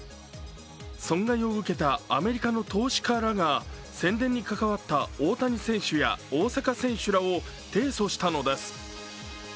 損害を受けたアメリカの投資家らが宣伝に関わった大谷選手や大坂選手らを提訴したのです。